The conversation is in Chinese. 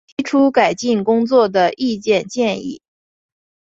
提出改进工作的意见建议